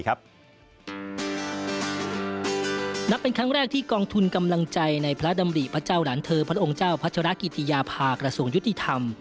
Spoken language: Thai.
นับเป็นครั้งแรกที่กองทุนกำลังใจในพระดำริพระเจ้าหลานเธอพระองค์เจ้าพัชรกิติยาภากระทรวงยุติธรรม